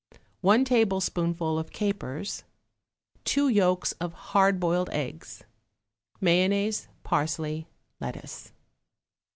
1 tablespoonful of capers. 2 yolks of hard boiled eggs. Mayonnaise, parsley, lettuce.